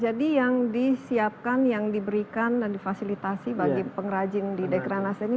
jadi yang disiapkan yang diberikan dan difasilitasi bagi pengrajin di dekranasta ini